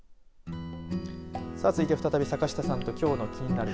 さあ、続いて再び坂下さんときょうのキニナル！